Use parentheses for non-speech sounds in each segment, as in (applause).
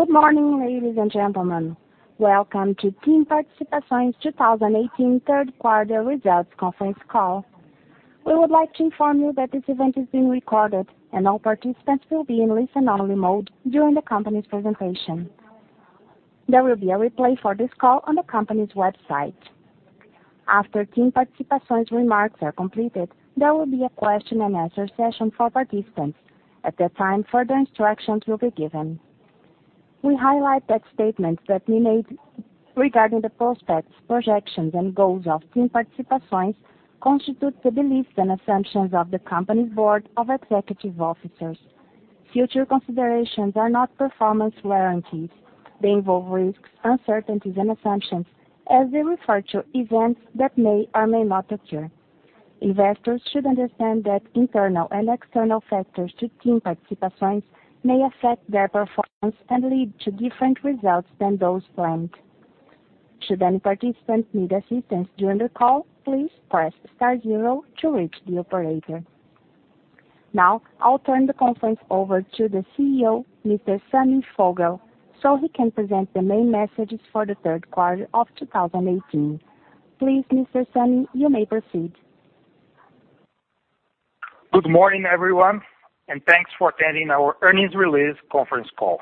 Good morning, ladies and gentlemen. Welcome to TIM Participações 2018 third quarter results conference call. We would like to inform you that this event is being recorded, and all participants will be in listen-only mode during the company's presentation. There will be a replay for this call on the company's website. After TIM Participações' remarks are completed, there will be a question and answer session for participants. At that time, further instructions will be given. We highlight that statements that we made regarding the prospects, projections, and goals of TIM Participações constitute the beliefs and assumptions of the company's Board of Executive Officers. Future considerations are not performance warranties. They involve risks, uncertainties, and assumptions as they refer to events that may or may not occur. Investors should understand that internal and external factors to TIM Participações may affect their performance and lead to different results than those planned. Should any participant need assistance during the call, please press star zero to reach the operator. I'll turn the conference over to the CEO, Mr. Sami Foguel, so he can present the main messages for the third quarter of 2018. Please, Mr. Sami, you may proceed. Good morning, everyone, thanks for attending our earnings release conference call.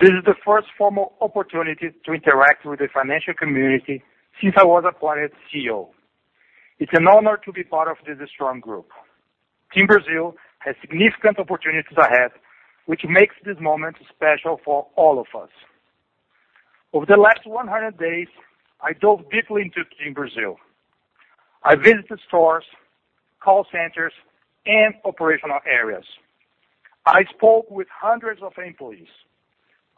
This is the first formal opportunity to interact with the financial community since I was appointed CEO. It's an honor to be part of this strong group. TIM Brasil has significant opportunities ahead, which makes this moment special for all of us. Over the last 100 days, I dove deeply into TIM Brasil. I visited stores, call centers, and operational areas. I spoke with hundreds of employees.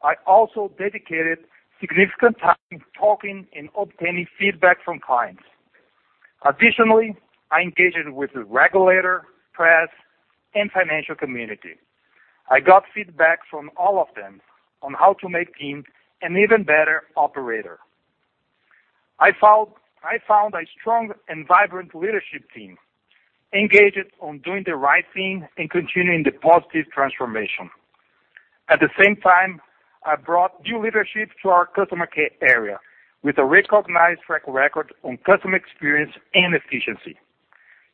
I also dedicated significant time talking and obtaining feedback from clients. Additionally, I engaged with the regulator, press, and financial community. I got feedback from all of them on how to make TIM an even better operator. I found a strong and vibrant leadership team engaged on doing the right thing and continuing the positive transformation. At the same time, I brought new leadership to our customer care area with a recognized track record on customer experience and efficiency.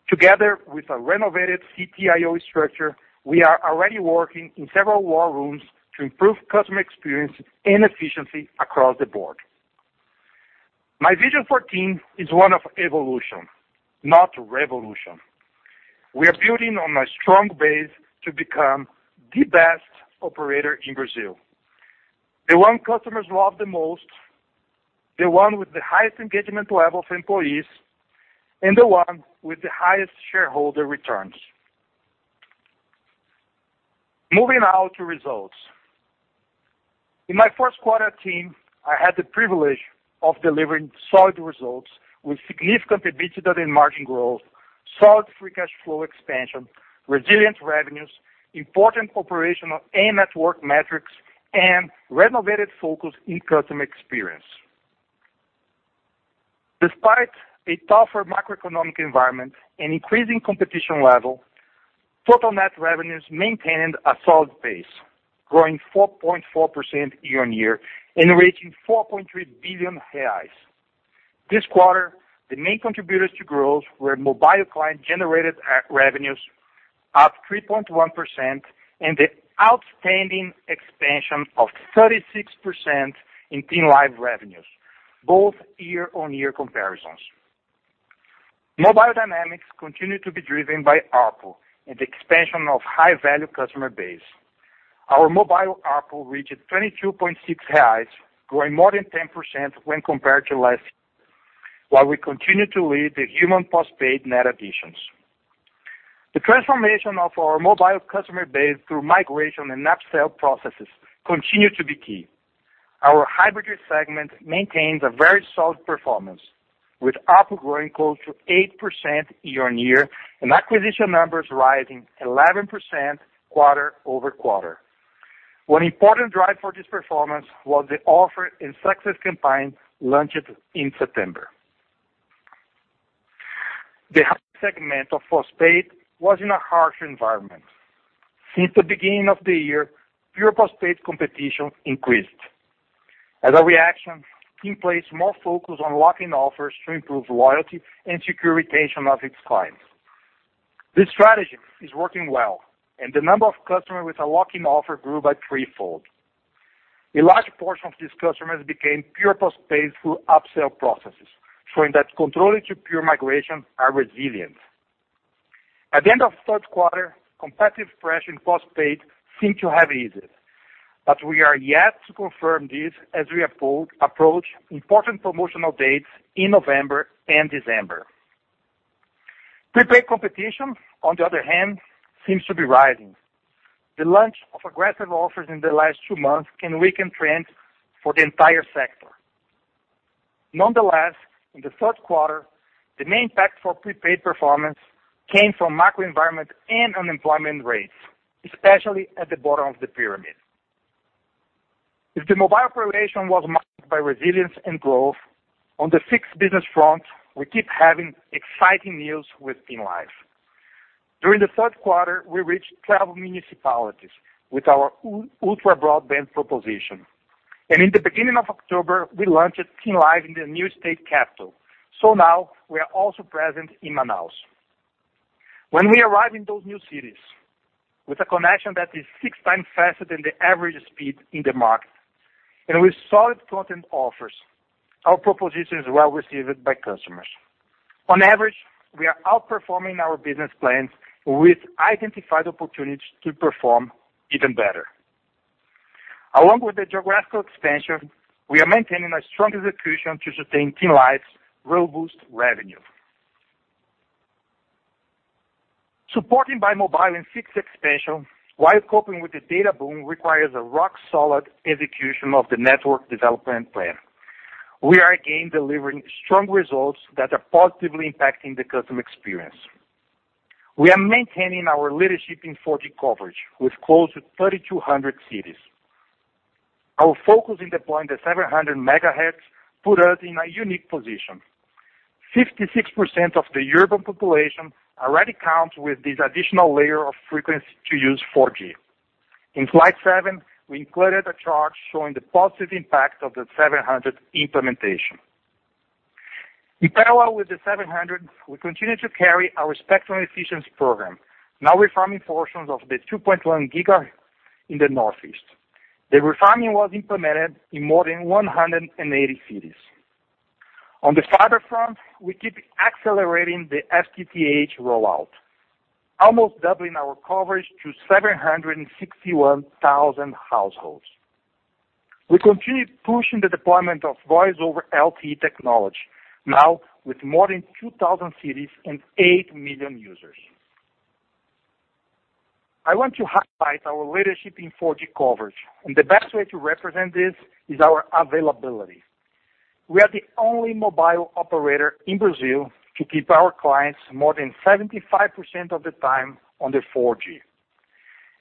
Together with a renovated CTIO structure, we are already working in several war rooms to improve customer experience and efficiency across the board. My vision for TIM is one of evolution, not revolution. We are building on a strong base to become the best operator in Brazil, the one customers love the most, the one with the highest engagement level for employees, and the one with the highest shareholder returns. Moving now to results. In my first quarter at TIM, I had the privilege of delivering solid results with significant EBITDA and margin growth, solid free cash flow expansion, resilient revenues, important operational and network metrics, and renovated focus in customer experience. Despite a tougher macroeconomic environment and increasing competition level, total net revenues maintained a solid pace, growing 4.4% year-on-year and reaching 4.3 billion reais. This quarter, the main contributors to growth were mobile client generated revenues up 3.1% and the outstanding expansion of 36% in TIM Live revenues, both year-on-year comparisons. Mobile dynamics continue to be driven by ARPU and the expansion of high-value customer base. Our mobile ARPU reached 22.6, growing more than 10% when compared to last year, while we continued to lead the human postpaid net additions. The transformation of our mobile customer base through migration and upsell processes continue to be key. Our hybrid segment maintains a very solid performance, with ARPU growing close to 8% year-on-year and acquisition numbers rising 11% quarter-over-quarter. One important drive for this performance was the offer and success campaign launched in September. The segment of postpaid was in a harsher environment. Since the beginning of the year, pure postpaid competition increased. As a reaction, TIM placed more focus on lock-in offers to improve loyalty and secure retention of its clients. This strategy is working well, and the number of customers with a lock-in offer grew by threefold. A large portion of these customers became pure postpaid through upsell processes, showing that controlling to pure migration are resilient. At the end of third quarter, competitive pressure in postpaid seemed to have eased, but we are yet to confirm this as we approach important promotional dates in November and December. Prepaid competition, on the other hand, seems to be rising. The launch of aggressive offers in the last two months can weaken trends for the entire sector. Nonetheless, in the third quarter, the main impact for prepaid performance came from macro environment and unemployment rates, especially at the bottom of the pyramid. If the mobile operation was marked by resilience and growth, on the fixed business front, we keep having exciting news with TIM Live. During the third quarter, we reached 12 municipalities with our ultra-broadband proposition. In the beginning of October, we launched TIM Live in the new state capital. So now we are also present in Manaus. When we arrive in those new cities with a connection that is six times faster than the average speed in the market, and with solid content offers, our proposition is well-received by customers. On average, we are outperforming our business plans with identified opportunities to perform even better. Along with the geographical expansion, we are maintaining a strong execution to sustain TIM Live's robust revenue. Supporting by mobile and fixed expansion while coping with the data boom requires a rock-solid execution of the network development plan. We are again delivering strong results that are positively impacting the customer experience. We are maintaining our leadership in 4G coverage with close to 3,200 cities. Our focus in deploying the 700 MHz put us in a unique position. 56% of the urban population already counts with this additional layer of frequency to use 4G. In slide seven, we included a chart showing the positive impact of the 700 implementation. In parallel with the 700, we continue to carry our spectral efficiency program, now farming portions of the 2.1 GHz in the Northeast. The farming was implemented in more than 180 cities. On the fiber front, we keep accelerating the FTTH rollout, almost doubling our coverage to 761,000 households. We continue pushing the deployment of VoLTE technology, now with more than 2,000 cities and 8 million users. I want to highlight our leadership in 4G coverage, and the best way to represent this is our availability. We are the only mobile operator in Brazil to keep our clients more than 75% of the time on the 4G.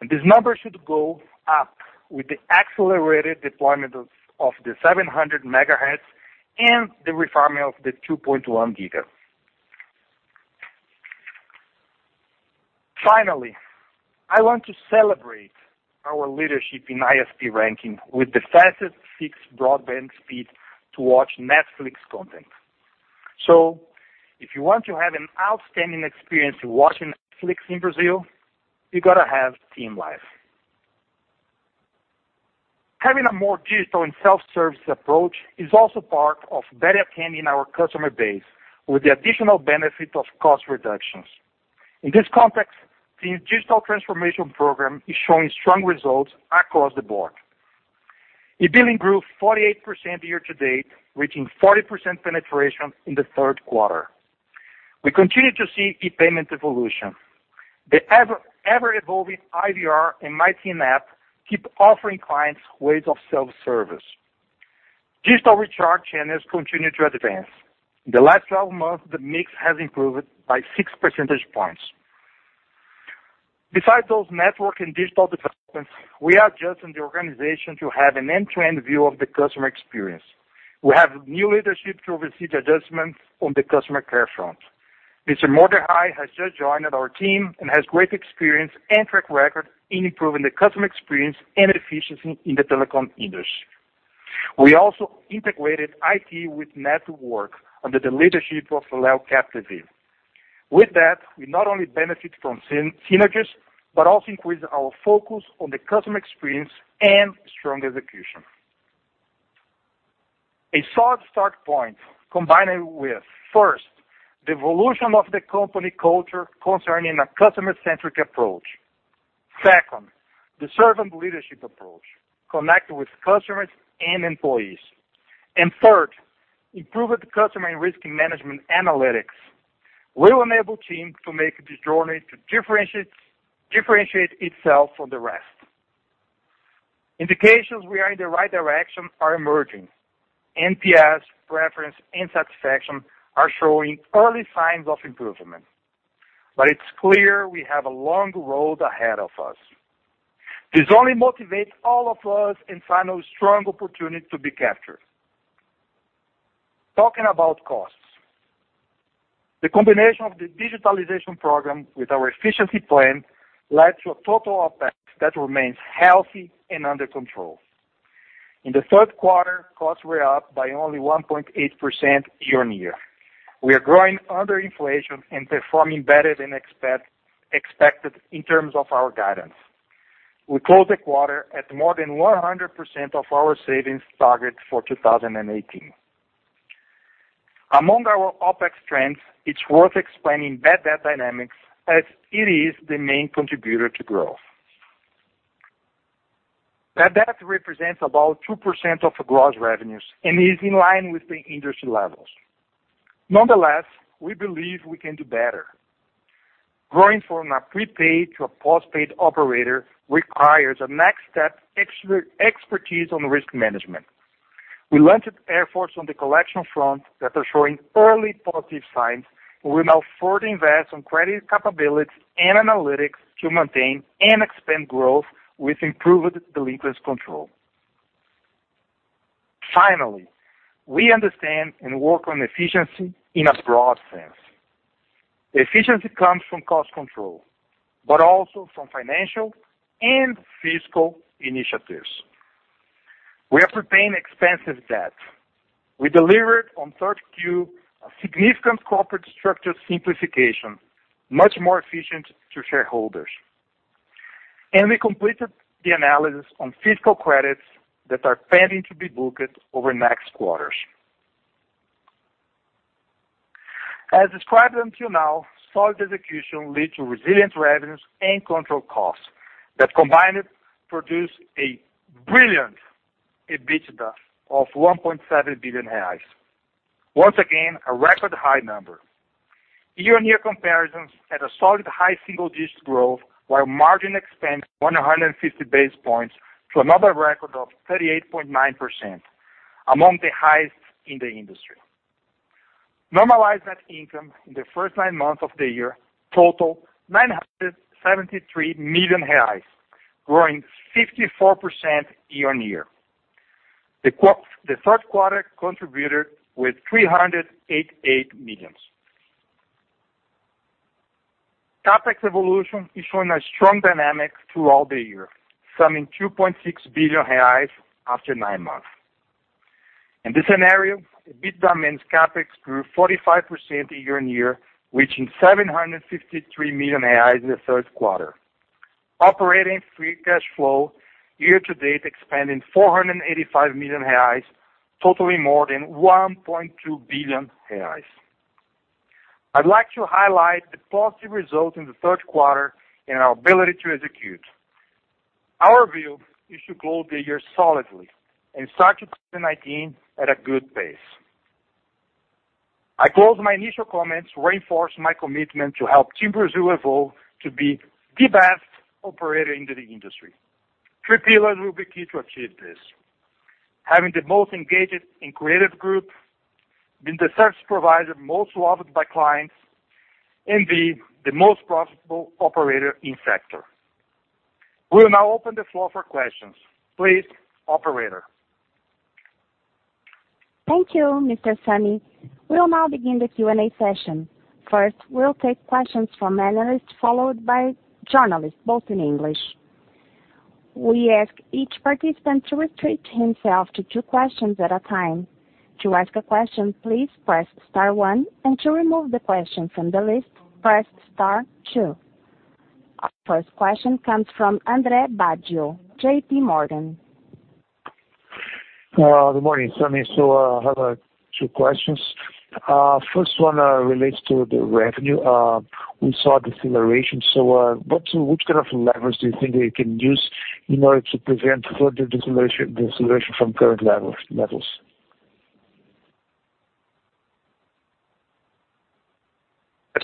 This number should go up with the accelerated deployment of the 700 MHz and the refarming of the 2.1 GHz. Finally, I want to celebrate our leadership in ISP ranking with the fastest fixed broadband speed to watch Netflix content. If you want to have an outstanding experience watching Netflix in Brazil, you got to have TIM Live. Having a more digital and self-service approach is also part of better attending our customer base with the additional benefit of cost reductions. In this context, the digital transformation program is showing strong results across the board. e-billing grew 48% year to date, reaching 40% penetration in the third quarter. We continue to see e-payment evolution. The ever-evolving IVR and MyTIM app keep offering clients ways of self-service. Digital recharge channels continue to advance. In the last 12 months, the mix has improved by 6 percentage points. Besides those network and digital developments, we are adjusting the organization to have an end-to-end view of the customer experience. We have new leadership to receive the adjustments on the customer care front. Mr. Mordoh has just joined our team and has great experience and track record in improving the customer experience and efficiency in the telecom industry. We also integrated IT with network under the leadership of Leonardo Capdeville. With that, we not only benefit from synergies, but also increase our focus on the customer experience and strong execution. A solid starting point, combining with, first, the evolution of the company culture concerning a customer-centric approach. Second, the servant leadership approach, connected with customers and employees. Third, improved customer and risk management analytics will enable teams to make this journey to differentiate itself from the rest. Indications we are in the right direction are emerging. NPS, preference, and satisfaction are showing early signs of improvement. It's clear we have a long road ahead of us. This only motivates all of us and finds strong opportunity to be captured. Talking about costs. The combination of the digitalization program with our efficiency plan led to a total OPEX that remains healthy and under control. In the third quarter, costs were up by only 1.8% year-on-year. We are growing under inflation and performing better than expected in terms of our guidance. We closed the quarter at more than 100% of our savings target for 2018. Among our OPEX trends, it's worth explaining bad debt dynamics as it is the main contributor to growth. Bad debt represents about 2% of gross revenues and is in line with the industry levels. Nonetheless, we believe we can do better. Growing from a prepaid to a postpaid operator requires a next step expertise on risk management. We launched efforts on the collection front that are showing early positive signs. We will now further invest on credit capabilities and analytics to maintain and expand growth with improved delinquents control. Finally, we understand and work on efficiency in a broad sense. Efficiency comes from cost control, but also from financial and fiscal initiatives. We are repaying expensive debt. We delivered on third Q, a significant corporate structure simplification, much more efficient to shareholders. We completed the analysis on fiscal credits that are pending to be booked over the next quarters. As described until now, solid execution led to resilient revenues and controlled costs that combined produce a brilliant EBITDA of 1.7 billion reais. Once again, a record-high number. Year-on-year comparisons had a solid high single-digit growth while margin expanded 150 basis points to another record of 38.9%, among the highest in the industry. Normalized net income in the first nine months of the year totaled 973 million reais, growing 54% year-on-year. The third quarter contributed with 388 million. CapEx evolution is showing a strong dynamic throughout the year, summing 2.6 billion reais after nine months. In this scenario, EBITDA minus CapEx grew 45% year-on-year, reaching 753 million reais in the third quarter. Operating free cash flow year to date expanding 485 million reais, totaling more than 1.2 billion reais. I'd like to highlight the positive results in the third quarter and our ability to execute. Our view is to close the year solidly and start 2019 at a good pace. I close my initial comments, reinforce my commitment to help TIM Brasil evolve to be the best operator in the industry. Three pillars will be key to achieve this. Having the most engaged and creative group, being the service provider most loved by clients, and being the most profitable operator in the sector. We'll now open the floor for questions. Please, operator. Thank you, Mr. Sami. We'll now begin the Q&A session. First, we'll take questions from analysts, followed by journalists, both in English. We ask each participant to restrict himself to two questions at a time. To ask a question, please press star one, and to remove the question from the list, press star two. Our first question comes from André Baggio, JPMorgan. Good morning, Sami. I have two questions. First one relates to the revenue. We saw deceleration. Which kind of levers do you think you can use in order to prevent further deceleration from current levels?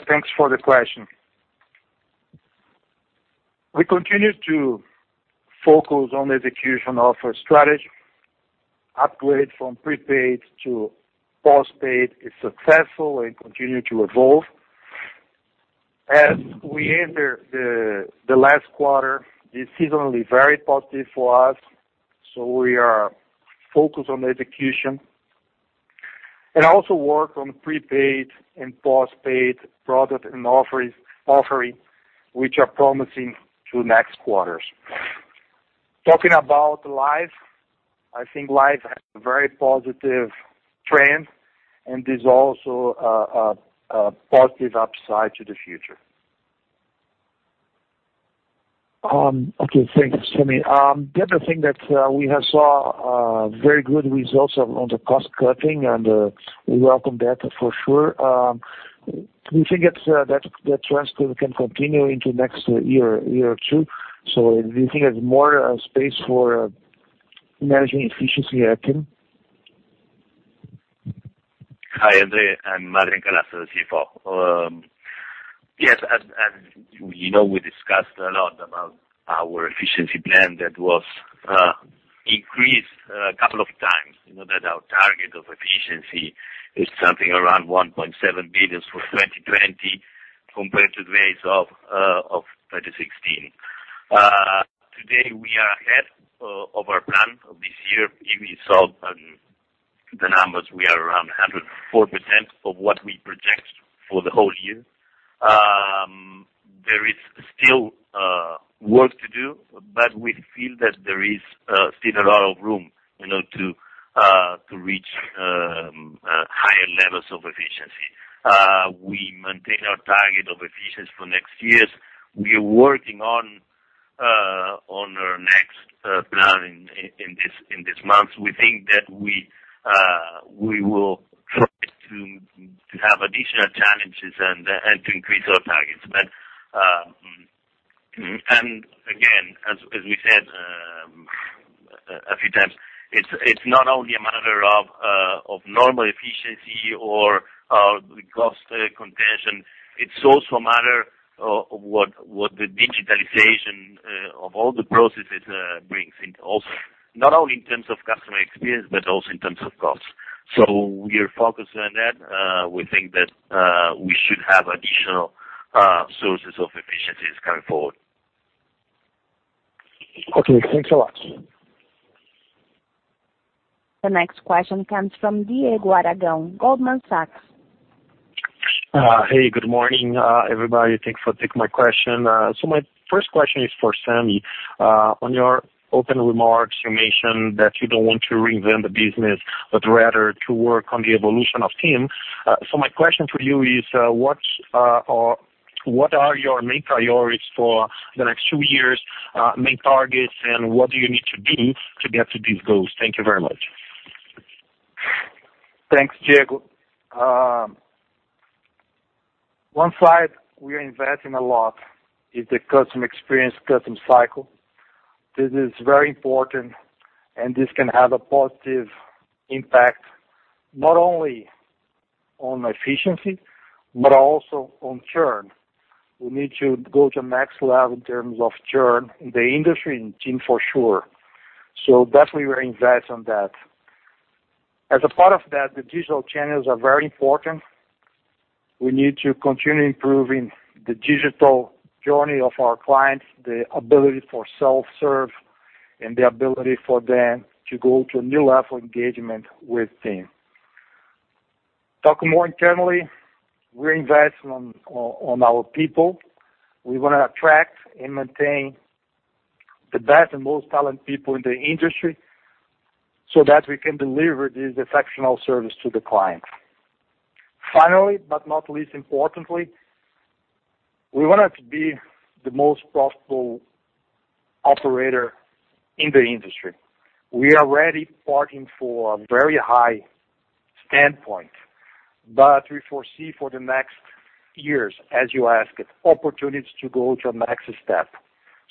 Thanks for the question. We continue to focus on the execution of our strategy. Upgrade from prepaid to postpaid is successful and continue to evolve. As we enter the last quarter, it's seasonally very positive for us, so we are focused on execution. Also work on prepaid and postpaid product and offering, which are promising to next quarters. Talking about Live, I think Live has a very positive trend and is also a positive upside to the future. Okay. Thanks, Sami. The other thing that we have saw very good results on the cost-cutting and we welcome that for sure. Do you think that transfer can continue into next year or two? Do you think there's more space for managing efficiency at TIM? Hi, Andre. I'm Mario Girasole, CFO. Yes, we discussed a lot about our efficiency plan that was increased a couple of times. You know that our target of efficiency is something around 1.7 billion for 2020 compared to base of 2016. Today we are ahead of our plan this year. If you saw the numbers, we are around 104% of what we project for the whole year. There is still work to do, but we feel that there is still a lot of room to reach higher levels of efficiency. We maintain our target of efficiency for next years. We are working on our next plan in this month. We think that we will try to have additional challenges and to increase our targets. Again, as we said a few times, it's not only a matter of normal efficiency or cost contention, it's also a matter of what the digitalization of all the processes brings in also, not only in terms of customer experience, but also in terms of costs. We are focused on that. We think that we should have additional sources of efficiencies going forward. Okay, thanks a lot. The next question comes from Diego Aragão, Goldman Sachs. Hey, good morning, everybody. Thanks for taking my question. My first question is for Sami. On your opening remarks, you mentioned that you don't want to reinvent the business, but rather to work on the evolution of TIM. My question for you is, what are your main priorities for the next two years, main targets, and what do you need to do to get to these goals? Thank you very much. Thanks, Diego. One side we are investing a lot is the customer experience, customer cycle. This is very important, and this can have a positive impact, not only on efficiency but also on churn. We need to go to the next level in terms of churn in the industry, in TIM for sure. Definitely, we're invest on that. As a part of that, the digital channels are very important. We need to continue improving the digital journey of our clients, the ability for self-serve, and the ability for them to go to a new level of engagement with TIM. Talking more internally, we're investing on our people. We want to attract and maintain the best and most talented people in the industry so that we can deliver this exceptional service to the client. Finally, not least importantly, we want to be the most profitable operator in the industry. We are already parting for a very high standpoint, but we foresee for the next years, as you asked, opportunities to go to the next step.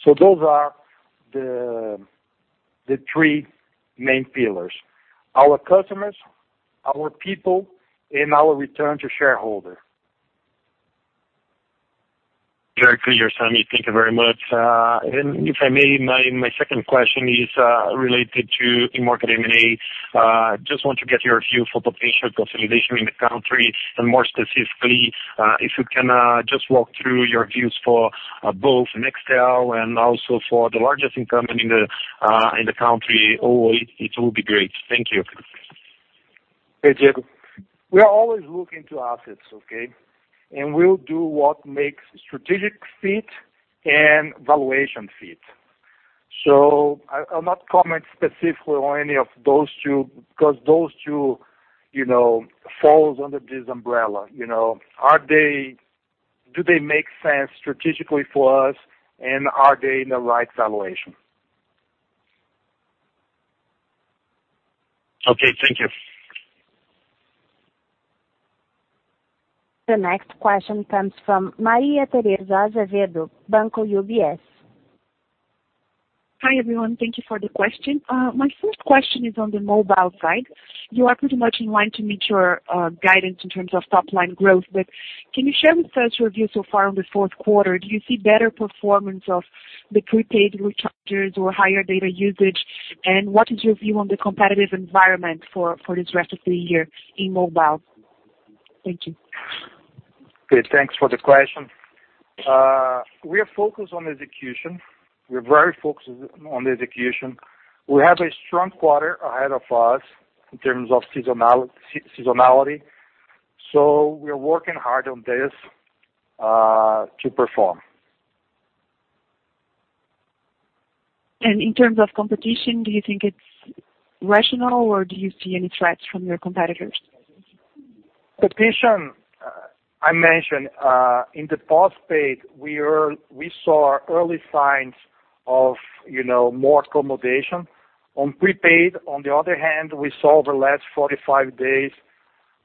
Those are the three main pillars. Our customers, our people, and our return to shareholders. Very clear, Sami. Thank you very much. If I may, my second question is related to market M&A. Just want to get your view for potential consolidation in the country, and more specifically, if you can just walk through your views for both Nextel and also for the largest incumbent in the country, Oi. It will be great. Thank you. Hey, Diego. We are always looking to assets, okay? We'll do what makes strategic fit and valuation fit. I'll not comment specifically on any of those two because those two falls under this umbrella. Do they make sense strategically for us, and are they in the right valuation? Okay, thank you. The next question comes from Maria Tereza Azevedo, Banco UBS. Hi, everyone. Thank you for the question. My first question is on the mobile side. You are pretty much in line to meet your guidance in terms of top-line growth, can you share with us your view so far on the fourth quarter? Do you see better performance of the prepaid recharges or higher data usage? What is your view on the competitive environment for this rest of the year in mobile? Thank you. Okay, thanks for the question. We are focused on execution. We're very focused on the execution. We have a strong quarter ahead of us in terms of seasonality, so we are working hard on this to perform. In terms of competition, do you think it's rational, or do you see any threats from your competitors? Competition, I mentioned in the postpaid, we saw early signs of more accommodation. On prepaid, on the other hand, we saw over the last 45 days,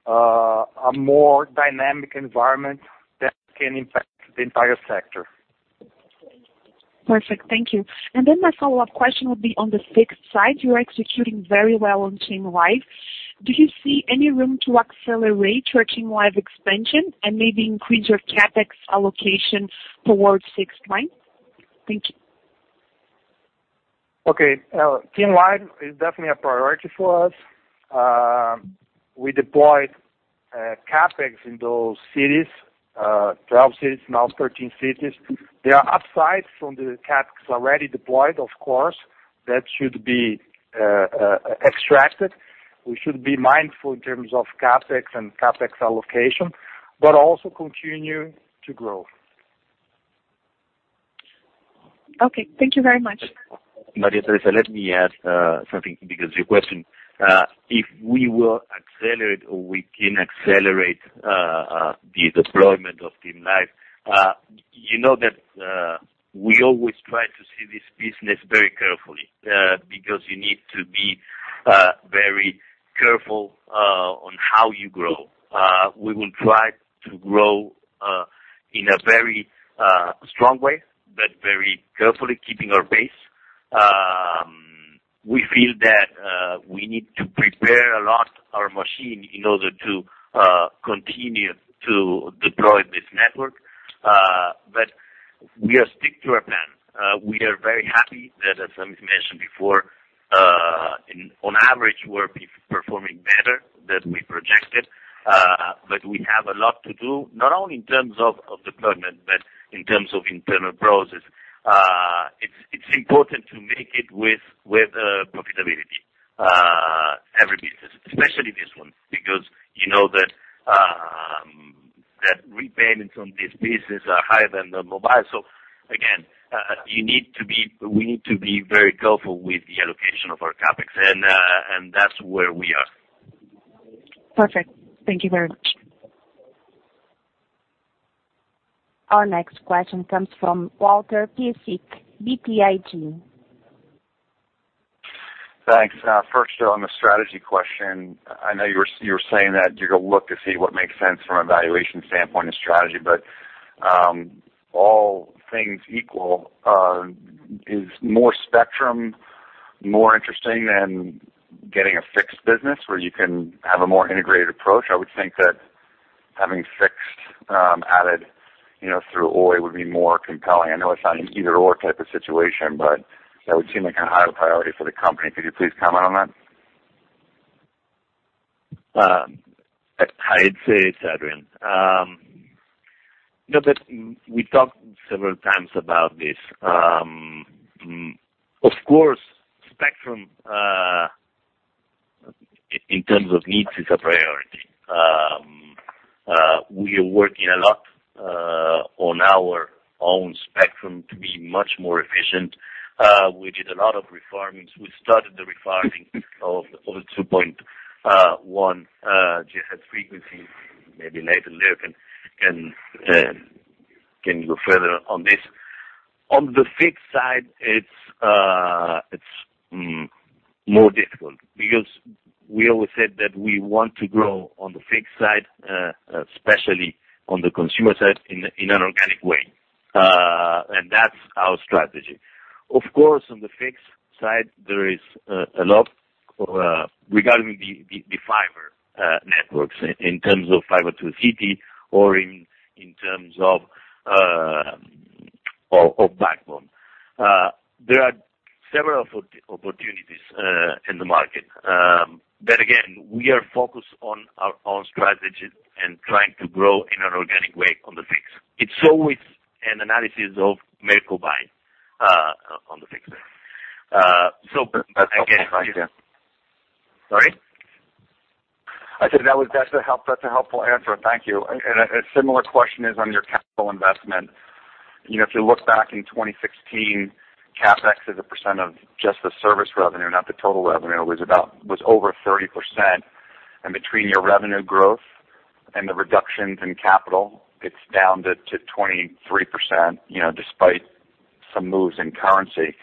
a more dynamic environment that can impact the entire sector. Perfect. Thank you. My follow-up question would be on the fixed side. You're executing very well on TIM Live. Do you see any room to accelerate your TIM Live expansion and maybe increase your CapEx allocation towards fixed line? Thank you. Okay. TIM Live is definitely a priority for us. We deployed CapEx in those cities, 12 cities, now 13 cities. There are upsides from the CapEx already deployed, of course, that should be extracted. We should be mindful in terms of CapEx and CapEx allocation, but also continue to grow. Okay. Thank you very much. Maria Tereza, let me add something because your question, if we will accelerate or we can accelerate the deployment of TIM Live. You know that we always try to see this business very carefully, because you need to be very careful on how you grow. We will try to grow in a very strong way, but very carefully, keeping our base. We feel that we need to prepare a lot our machine in order to continue to deploy this network. We are stick to our plan. We are very happy that, as Sami's mentioned before, on average, we're performing better than we projected. We have a lot to do, not only in terms of the partner, but in terms of internal process. It's important to make it with profitability, every business, especially this one, because you know that repayments on this business are higher than the mobile. Again, we need to be very careful with the allocation of our CapEx, and that's where we are. Perfect. Thank you very much. Our next question comes from Walter Piecyk, BTIG. Thanks. First, on the strategy question, I know you were saying that you're going to look to see what makes sense from a valuation standpoint and strategy, but all things equal, is more spectrum more interesting than getting a fixed business where you can have a more integrated approach? I would think that having fixed added through Oi would be more compelling. I know it's not an either or type of situation, but that would seem like a higher priority for the company. Could you please comment on that? I'd say, Walter. We talked several times about this. Of course, spectrum, in terms of needs, is a priority. We are working a lot on our own spectrum to be much more efficient. We did a lot of reforms. We started the reforming of 2.1 GHz frequency. Maybe later, Leo can go further on this. On the fixed side, it's more difficult because we always said that we want to grow on the fixed side, especially on the consumer side, in an organic way. That's our strategy. Of course, on the fixed side, there is a lot regarding the fiber networks in terms of Fiber to the Curb or in terms of backbone. There are several opportunities in the market. Again, we are focused on our own strategy and trying to grow in an organic way on the fixed. It's always an analysis of make or buy on the fixed. That's a helpful answer. Sorry? I said that's a helpful answer. Thank you. A similar question is on your capital investment. If you look back in 2016, CapEx as a percent of just the service revenue, not the total revenue, was over 30%. Between your revenue growth and the reductions in capital, it's down to 23%, despite some moves in currency.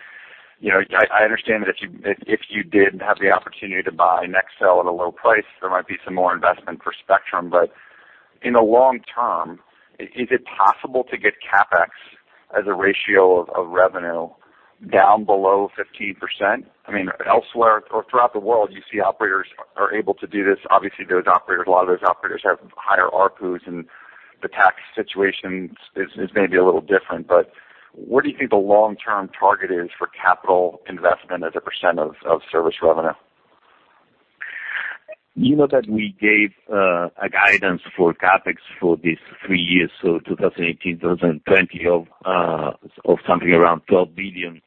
I understand that if you did have the opportunity to buy Nextel at a low price, there might be some more investment for spectrum. In the long term, is it possible to get CapEx as a ratio of revenue down below 15%? Elsewhere or throughout the world, you see operators are able to do this. Obviously, a lot of those operators have higher ARPU, and the tax situation is maybe a little different. What do you think the long-term target is for capital investment as a percent of service revenue? You know that we gave a guidance for CapEx for these three years, 2018-2020, of something around BRL 12 billion.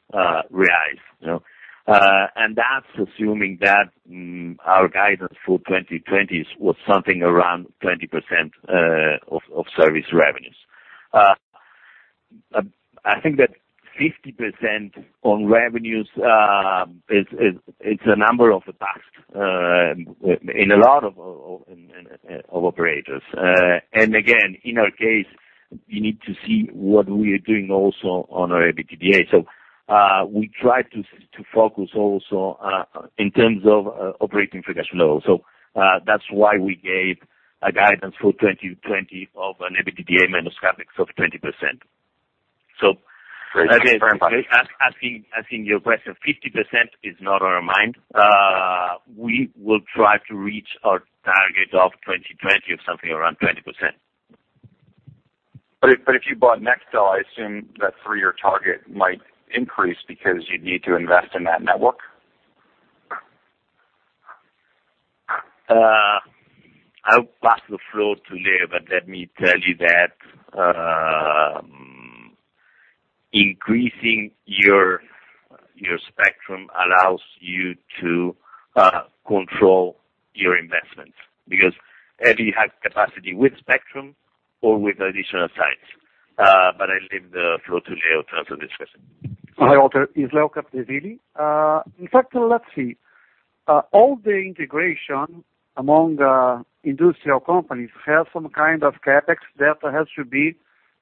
That's assuming that our guidance for 2020 was something around 20% of service revenues. I think that 50% on revenues, it's a number of the past in a lot of operators. Again, in our case, you need to see what we are doing also on our EBITDA. We try to focus also in terms of operating cash flow. That's why we gave a guidance for 2020 of an EBITDA minus CapEx of 20%. Great. Thanks very much. Asking your question, 50% is not on our mind. We will try to reach our target of 2020 of something around 20%. If you bought Nextel, I assume that three-year target might increase because you'd need to invest in that network. I'll pass the floor to Leo, let me tell you that increasing your spectrum allows you to control your investments because (audio distortion) has capacity with spectrum or with additional sites. I leave the floor to Leo to answer this question. Hi, Walter. It's Leo Capdeville. In fact, let's see. All the integration among industrial companies have some kind of CapEx that has to be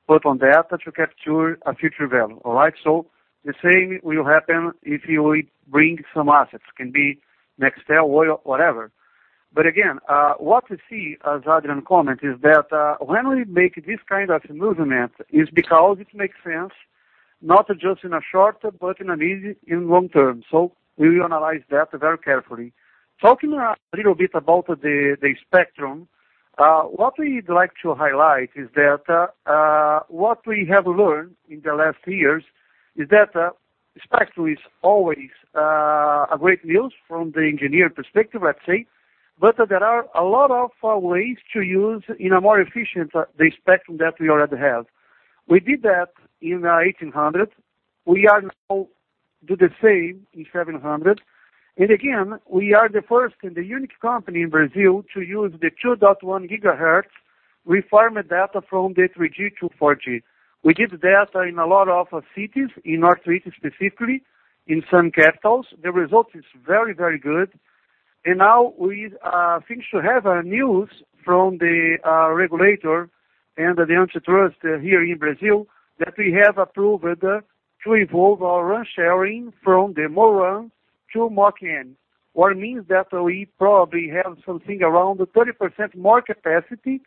put on data to capture a future value. The same will happen if you bring some assets. Can be Nextel or whatever. Again, what we see as Adrian comment is that when we make this kind of movement, is because it makes sense not just in a short, but in a medium and long term. We will analyze that very carefully. Talking a little bit about the spectrum, what we'd like to highlight is that what we have learned in the last years is that spectrum is always a great news from the engineering perspective, let's say. There are a lot of ways to use in a more efficient, the spectrum that we already have. We did that in 1800. We are now do the same in 700. Again, we are the first and the unique company in Brazil to use the 2.1 GHz, we farm data from the 3G to 4G. We did that in a lot of cities, in Northeast specifically, in some capitals. The result is very good. Now we seem to have news from the regulator and the antitrust here in Brazil that we have approved to evolve our RAN sharing from the MORAN to MOCN, what means that we probably have something around 30% more capacity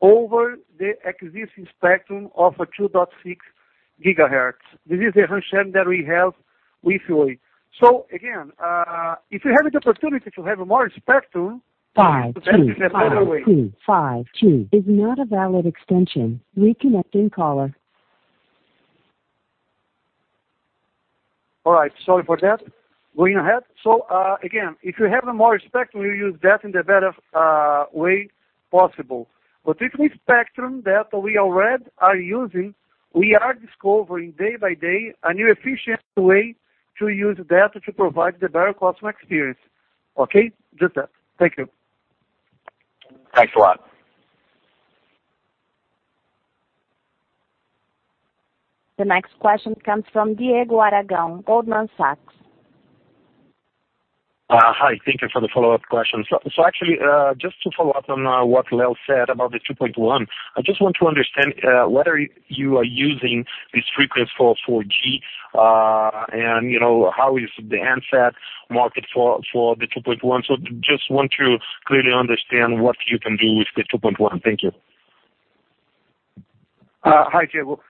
over the existing spectrum of a 2.6 GHz. This is a RAN sharing that we have with Oi. Again, if you have the opportunity to have more spectrum, that is the better way. Five two. Five two is not a valid extension. Reconnecting caller. All right, sorry for that. Going ahead. Again, if you have more spectrum, you use that in the better way possible. With the spectrum that we already are using, we are discovering day by day a new efficient way to use data to provide the better customer experience. Okay, just that. Thank you. Thanks a lot. The next question comes from Diego Aragão, Goldman Sachs. Hi, thank you for the follow-up questions. Actually, just to follow up on what Leo said about the 2.1, I just want to understand whether you are using this frequency for 4G, and how is the handset market for the 2.1. Just want to clearly understand what you can do with the 2.1. Thank you. Hi, Diego.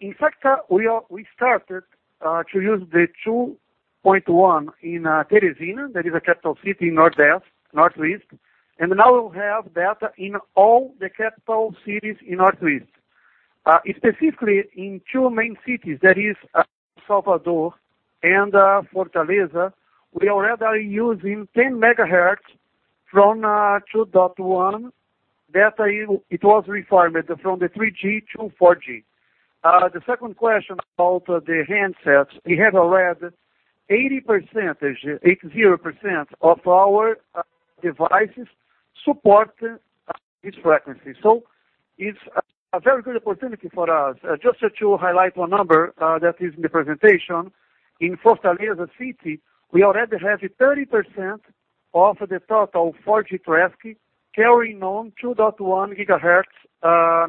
In fact, we started to use the 2.1 in Teresina. That is a capital city in Northeast. Now we have data in all the capital cities in Northeast. Specifically, in two main cities, that is Salvador and Fortaleza, we already are using 10 megahertz from 2.1 data. It was refarmed from the 3G to 4G. The second question about the handsets, we have already 80% of our devices support this frequency. It's a very good opportunity for us. Just to highlight one number that is in the presentation. In Fortaleza city, we already have 30% of the total 4G traffic carrying on 2.1 gigahertz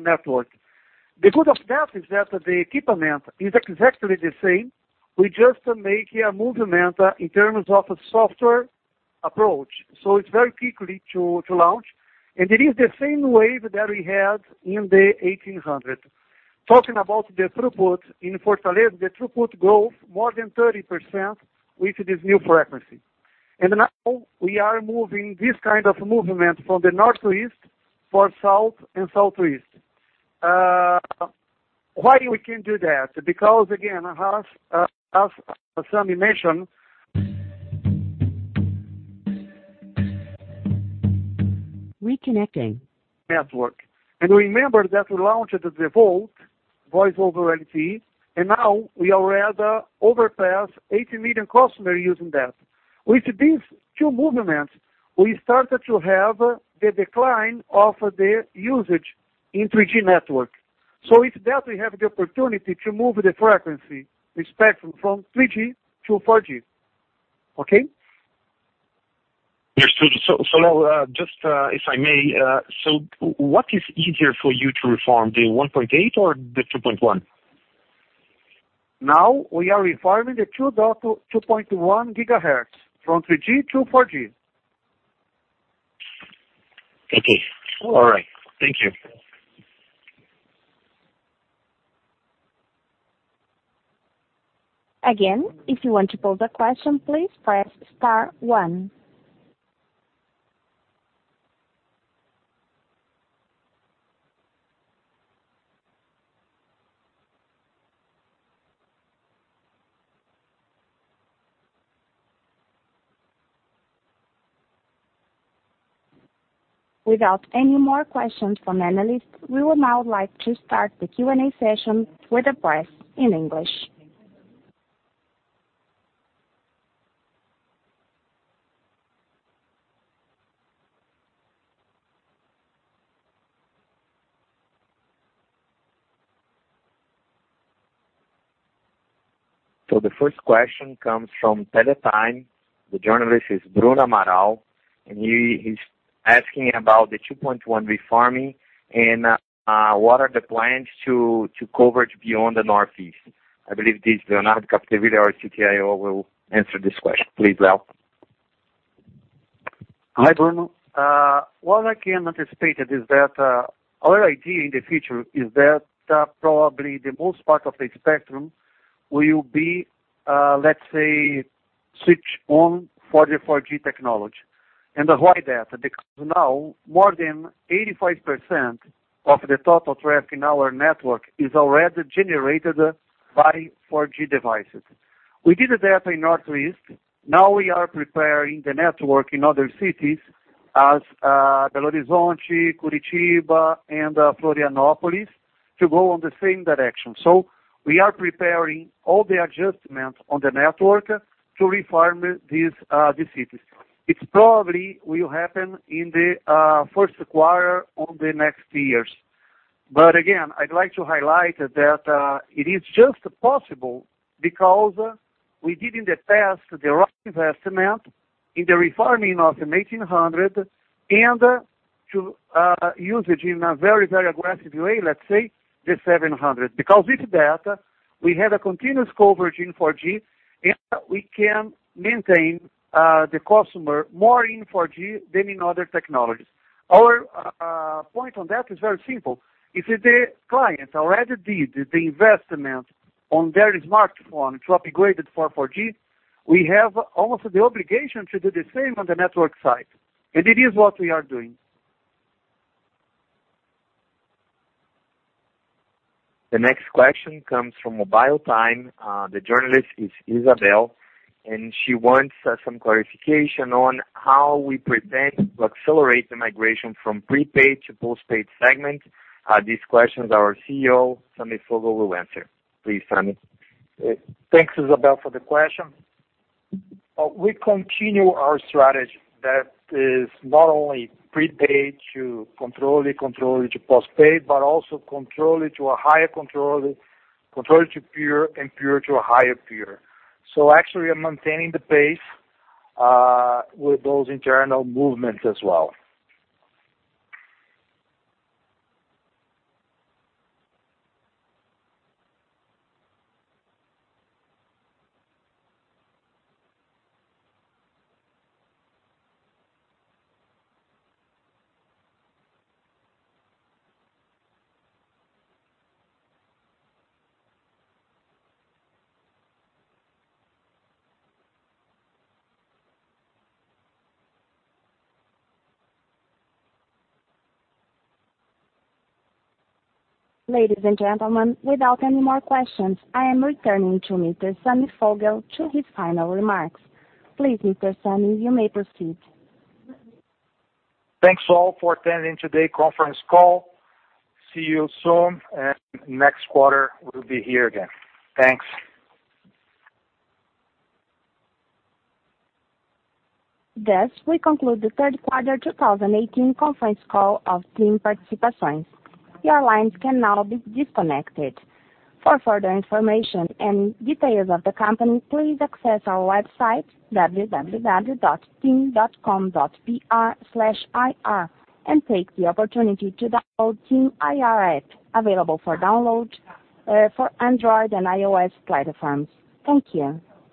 network. The good of that is that the equipment is exactly the same. We just make a movement in terms of software approach. It's very quickly to launch, and it is the same wave that we had in the 1800. Talking about the throughput in Fortaleza, the throughput growth more than 30% with this new frequency. Now we are moving this kind of movement from the Northeast for South and Southeast. Why we can do that? Because, again, as some Reconnecting network. Remember that we launched the VoLTE, voice over LTE, and now we already overpass 8 million customers using that. With these two movements, we started to have the decline of the usage in 3G network. With that, we have the opportunity to move the frequency spectrum from 3G to 4G. Okay? Understood. Just if I may, so what is easier for you to refarm, the 1.8 or the 2.1? Now we are refarming the 2.1 GHz from 3G to 4G. Okay. All right. Thank you. Again, if you want to pose a question, please press star one. Without any more questions from analysts, we would now like to start the Q&A session with the press in English. The first question comes from Teletime. The journalist is Bruno Amaral, and he is asking about the 2.1 refarming and what are the plans to cover beyond the Northeast. I believe this is Leonardo Capdeville, our CTO, will answer this question. Please, Leo. Hi, Bruno. What I can anticipate is that our idea in the future is that probably the most part of the spectrum will be, let's say, switch on 4G technology. Why that? Because now more than 85% of the total traffic in our network is already generated by 4G devices. We did that in Northeast. Now we are preparing the network in other cities as Belo Horizonte, Curitiba, and Florianopolis to go on the same direction. We are preparing all the adjustments on the network to refarm these cities. It probably will happen in the first quarter of the next years. Again, I'd like to highlight that it is just possible because we did in the past the right investment in the refarming of the 1800 and to usage in a very aggressive way, let's say, the 700. With that, we have a continuous coverage in 4G, and we can maintain the customer more in 4G than in other technologies. Our point on that is very simple. If the client already did the investment on their smartphone to upgrade it for 4G, we have almost the obligation to do the same on the network side. It is what we are doing. The next question comes from Mobile Time. The journalist is Isabelle, and she wants some clarification on how we pretend to accelerate the migration from prepaid to postpaid segment. These questions our CEO, Sami Foguel, will answer. Please, Sami. Thanks, Isabelle, for the question. We continue our strategy that is not only prepaid to Controle, Controle to postpaid, but also Controle to a higher Controle to pure, and pure to a higher pure. Actually, I'm maintaining the pace with those internal movements as well. Ladies and gentlemen, without any more questions, I am returning to Mr. Sami Foguel to his final remarks. Please, Mr. Sami, you may proceed. Thanks all for attending today conference call. See you soon, next quarter we'll be here again. Thanks. Thus, we conclude the third quarter 2018 conference call of TIM Participações. Your lines can now be disconnected. For further information and details of the company, please access our website, www.tim.com.br/ir, and take the opportunity to download TIM IR app, available for download for Android and iOS platforms. Thank you.